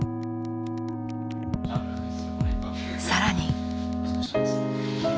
更に。